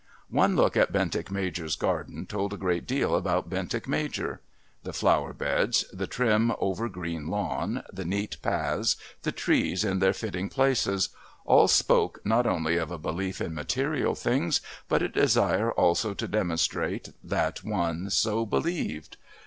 One look at Bentinck Major's garden told a great deal about Bentinck Major. The flower beds, the trim over green lawn, the neat paths, the trees in their fitting places, all spoke not only of a belief in material things but a desire also to demonstrate that one so believed....